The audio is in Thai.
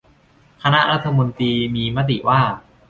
คณะรัฐมนตรีมีมติว่า